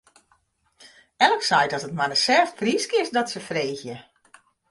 Elk seit dat it mar in sêft pryske is, dat se freegje.